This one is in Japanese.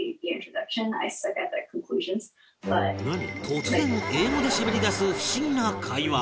突然英語でしゃべりだす不思議な会話